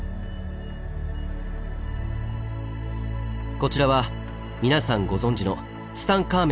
こちらは皆さんご存じのツタンカーメンの黄金のマスク。